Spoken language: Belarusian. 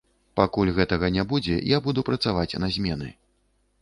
Пакуль гэтага не будзе, я буду працаваць на змены.